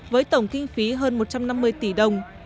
với tổng kinh phí hơn một trăm năm mươi tỷ đồng